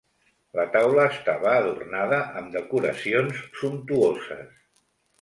La taula estava adornada amb decoracions sumptuoses.